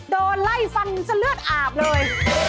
โดนไล่ฟันจนเลือดอาบเลย